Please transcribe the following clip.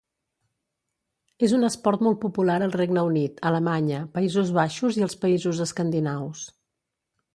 És un esport molt popular al Regne Unit, Alemanya, Països Baixos i els països escandinaus.